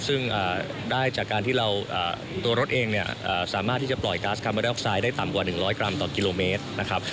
ซึ่งได้จากการที่เราตัวรถเองเนี่ยสามารถที่จะปล่อยก๊าซคาร์เบอร์ดออกไซด์ได้ต่ำกว่า๑๐๐กรัมต่อกิโลเมตรนะครับ